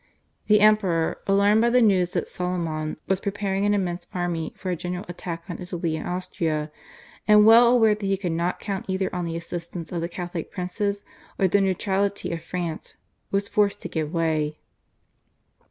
The Emperor, alarmed by the news that Soliman was preparing an immense army for a general attack on Italy and Austria, and well aware that he could not count either on the assistance of the Catholic princes or the neutrality of France, was forced to give way.